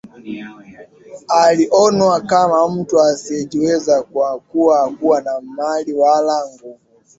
Alionwa kama mtu asiyejiweza kwa kuwa hakuwa na mali wala nguvu